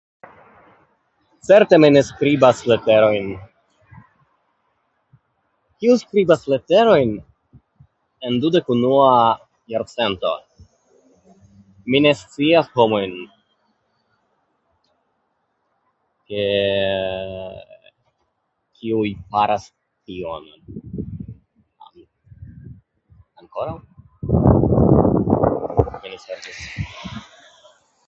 Certe mi ne skribas leterojn. Kiu skbribas leterojn en dudek unua jarcento? Mi ne scias homojn, ke kiuj faras tion an- ankoraŭ? Mi ne certas.